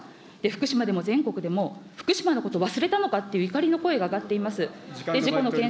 福島でも全国でも、福島のこと忘れたのかっていう怒りの声が上が時間となっておりますので。